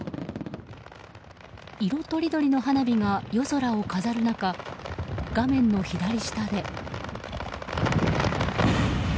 色とりどりの花火が夜空を飾る中画面の左下で。